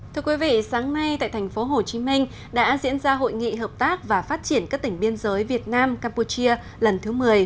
thưa quý vị sáng nay tại thành phố hồ chí minh đã diễn ra hội nghị hợp tác và phát triển các tỉnh biên giới việt nam campuchia lần thứ một mươi